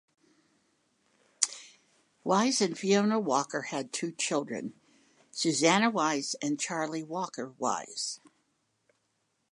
Wise and Fiona Walker had two children; Susannah Wise and Charlie Walker-Wise.